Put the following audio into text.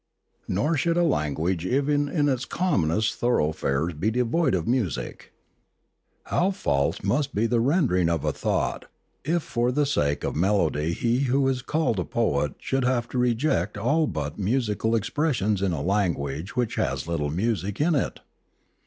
Nor should a language even in its commonest thor oughfares be devoid of music. How false must be the rendering of a thought, if for the sake of melody he who is called a poet should have to reject all but musi cal expressions in a language which has little music in it!